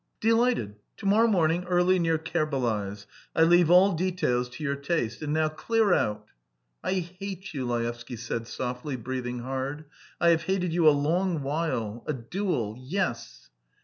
"Delighted. To morrow morning early near Kerbalay's. I leave all details to your taste. And now, clear out!" "I hate you," Laevsky said softly, breathing hard. "I have hated you a long while! A duel! Yes!"